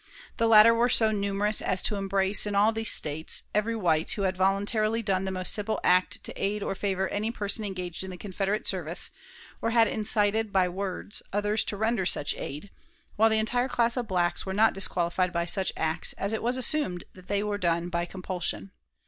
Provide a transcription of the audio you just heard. The latter were so numerous as to embrace, in all these States, every white who had voluntarily done the most simple act to aid or favor any person engaged in the Confederate service, or had incited, by words, others to render such aid, while the entire class of blacks were not disqualified by such acts, as it was assumed that they were done by compulsion.